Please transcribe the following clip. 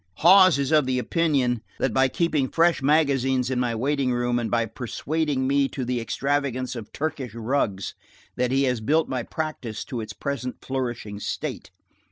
Hawes is of the opinion that by keeping fresh magazines in my waiting room and by persuading me to the extravagance of Turkish rugs, that he has built my practice to its present flourishing state.